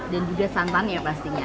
dan juga santannya pastinya